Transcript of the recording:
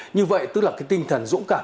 như vậy tức là cái tinh thần dũng cảm